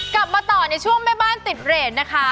กลับมาต่อในช่วงแม่บ้านติดเรทนะคะ